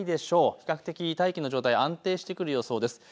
比較的、大気の状態安定してくる予想です。